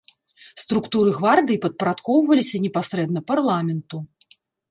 Структуры гвардыі падпарадкоўваліся непасрэдна парламенту.